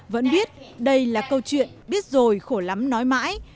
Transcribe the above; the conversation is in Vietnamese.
vẫn biết đây là câu chuyện biết rồi khổ lắm nói mãi